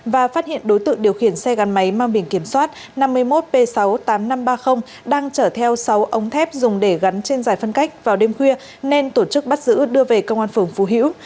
và phát hiện đối tượng điều khiển xe gắn máy mang biển kiểm soát năm mươi một p sáu mươi tám nghìn năm trăm ba mươi đang chở theo sáu ống thép dùng để gắn trên giải phân cách vào đêm khuya nên tổ chức bắt giữ đưa về công an phường phú hữu